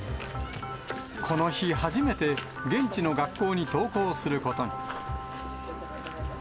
この日、初めて現地の学校に登校することに。